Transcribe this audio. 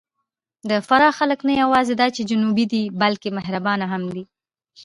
د فراه خلک نه یواځې دا چې جنوبي دي، بلکې مهربانه هم دي.